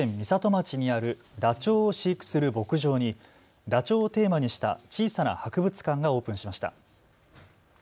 町にあるダチョウを飼育する牧場にダチョウをテーマにした小さな博物館がオープンしました。